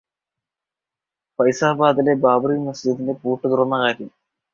ഫൈസാബാദിലെ ബാബ്റി മസ്ജിദിന്റെ പൂട്ടു തുറന്ന കാര്യം.